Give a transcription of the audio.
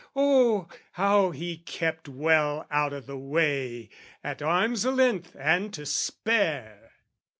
oh, how he kept Well out o' the way, at arm's length and to spare!